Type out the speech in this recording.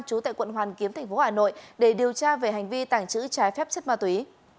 chú tại quận hoàn kiếm tp hà nội để điều tra về hành vi tảng trữ trái phép chất ma túy